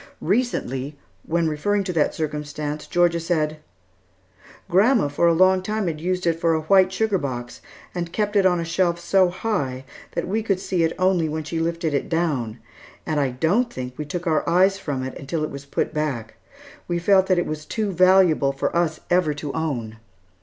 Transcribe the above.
Recently, when referring to that circumstance, Georgia said: "Grandma for a long time had used it for a white sugar box, and kept it on a shelf so high that we could see it only when she lifted it down; and I don't think we took our eyes from it until it was put back. We felt that it was too valuable for us ever to own.